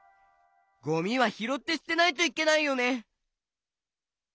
ゴミはひろってすてないといけないよね！